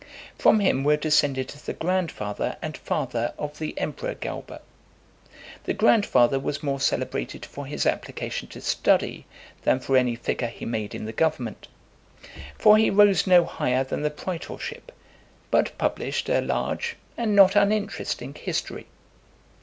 From him were descended the grandfather and father of the emperor Galba. The grandfather was more celebrated for his application to study, than (402) for any figure he made in the government. For he rose no higher than the praetorship, but published a large and not uninteresting history.